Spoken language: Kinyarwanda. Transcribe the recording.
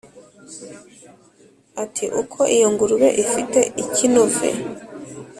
Ati: “Uko iyo ngurube ifite ikinove